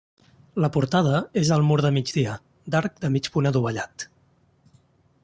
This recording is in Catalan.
La portada és al mur de migdia, d'arc de mig punt adovellat.